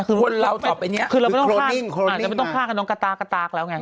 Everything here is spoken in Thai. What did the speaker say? คือเราไม่ต้องฆ่าแต่ไม่ต้องฆ่ากันต้องกระตากกระตากแล้วไง